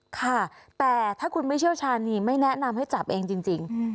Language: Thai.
ค่ะแต่ถ้าคุณไม่เชี่ยวชาญนี่ไม่แนะนำให้จับเองจริง